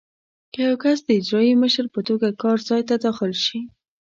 که یو کس د اجرایي مشر په توګه کار ځای ته داخل شي.